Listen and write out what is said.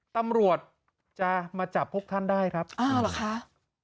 ตำรวจจะมาจับพวกท่านได้ครับอ้าวเหรอคะ